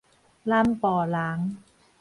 南部人